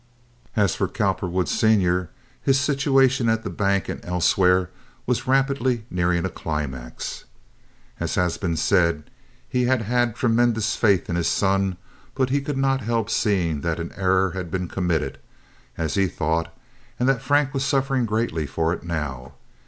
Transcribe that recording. As for Cowperwood, Senior, his situation at his bank and elsewhere was rapidly nearing a climax. As has been said, he had had tremendous faith in his son; but he could not help seeing that an error had been committed, as he thought, and that Frank was suffering greatly for it now.